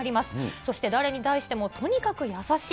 そして誰に対してもとにかく優しい。